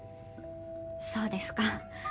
そうですか。